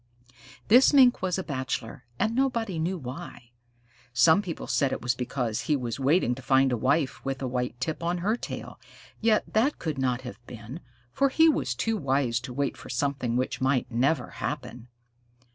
This Mink was a bachelor, and nobody knew why. Some people said it was because he was waiting to find a wife with a white tip on her tail, yet that could not have been, for he was too wise to wait for something which might never happen.